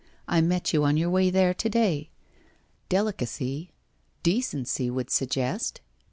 I met you on your way there to day. Delicacy — decency would suggest